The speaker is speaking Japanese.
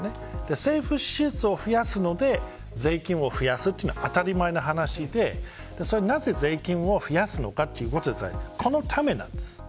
政府支出を増やすので税金を増やすというのは当たり前の話でなぜ税金を増やすのかというのはこのためです。